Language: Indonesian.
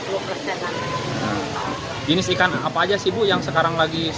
nah jenis ikan apa saja sih bu yang sekarang lagi susah gitu bu